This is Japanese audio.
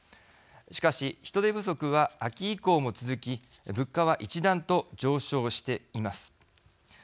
しかし人手不足は秋以降も続き物価は一段と上昇しています。